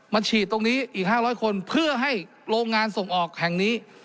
ฉีดตรงนี้อีก๕๐๐คนเพื่อให้โรงงานส่งออกแห่งนี้